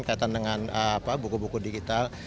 kaitan dengan buku buku digital